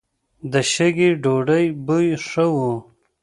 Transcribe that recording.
د شګې ډوډۍ بوی ښه و.